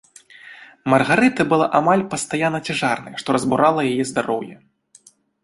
Маргарыта была амаль пастаянна цяжарнай, што разбурала яе здароўе.